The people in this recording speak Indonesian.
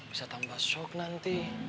bisa tambah shock nanti